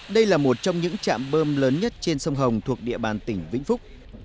đây là một trong những trạm bơm lớn nhất trên sông hồng thuộc địa bàn tỉnh vĩnh phúc